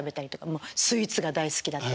もうスイーツが大好きだったりとか。